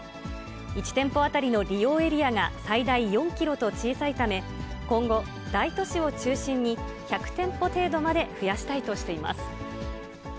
１店舗当たりの利用エリアが最大４キロと小さいため、今後、大都市を中心に１００店舗程度まで増やしたいとしています。